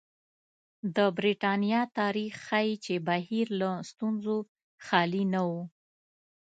د برېټانیا تاریخ ښيي چې بهیر له ستونزو خالي نه و.